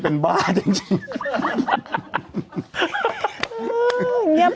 อเรนนี่